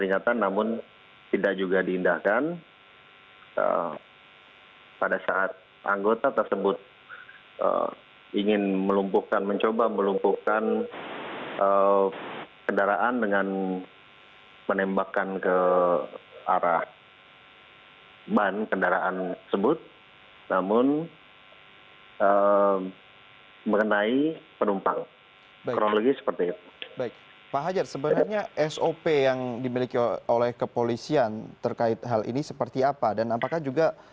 yang dilakukan oleh sata bata